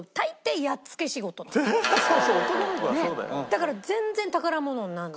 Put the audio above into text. だから全然宝物にならない。